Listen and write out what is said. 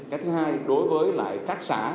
cái thứ hai đối với các xã